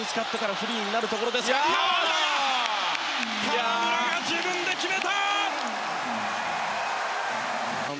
河村が自分で決めた！